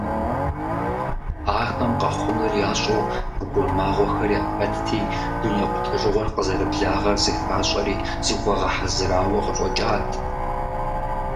Ахэм къэхъунур ящӀэу тхьэгурымагъуэхэр яхэтти, дуней къутэжыгъуэр къызэрыблагъэр зыхащӀэри зыхуагъэхьэзырауэ къыщӀэкӀат.